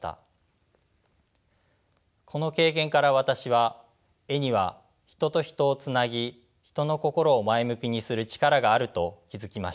この経験から私は絵には人と人をつなぎ人の心を前向きにする力があると気付きました。